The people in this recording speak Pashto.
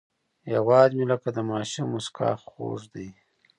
هیواد مې لکه د ماشوم موسکا خوږ دی